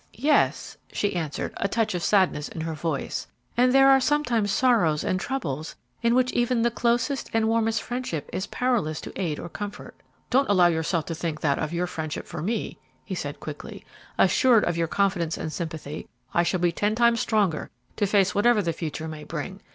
"Yes," she answered, a touch of sadness in her voice; "and there are sometimes sorrows and troubles in which even the closest and warmest friendship is powerless to aid or comfort." "Don't allow yourself to think that of your friendship for me," he said, quickly. "Assured of your confidence and sympathy, I shall be ten times stronger to face whatever the future may bring.